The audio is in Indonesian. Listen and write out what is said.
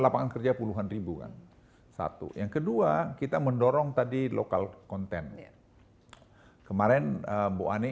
lapangan kerja puluhan ribu kan satu yang kedua kita mendorong tadi lokal konten kemarin bu ani